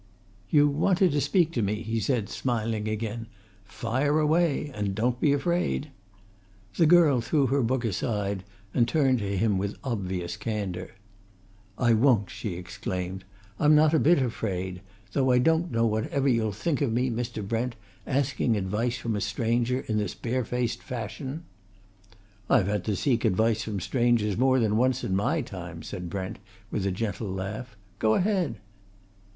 "You wanted to speak to me," he said, smiling again. "Fire away! and don't be afraid." The girl threw her book aside, and turned to him with obvious candour. "I won't!" she exclaimed. "I'm not a bit afraid though I don't know whatever you'll think of me, Mr. Brent, asking advice from a stranger in this barefaced fashion!" "I've had to seek advice from strangers more than once in my time," said Brent, with a gentle laugh. "Go ahead!"